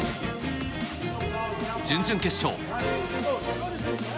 準々決勝。